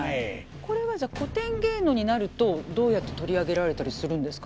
これはじゃあ古典芸能になるとどうやって取り上げられたりするんですかね。